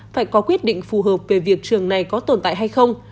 phải có quyết định phù hợp về việc trường này có tồn tại hay không